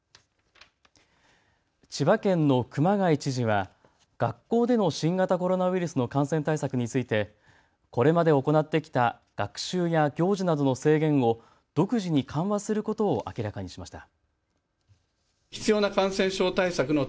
千葉県の熊谷知事は学校での新型コロナウイルスの感染対策についてこれまで行ってきた学習や行事などの制限を独自に緩和することを明らかにしました。